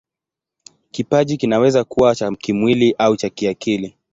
Kipaji kinaweza kuwa cha kimwili au cha kiakili.